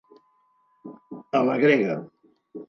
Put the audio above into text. A la grega.